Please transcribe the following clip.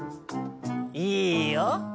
いいよ。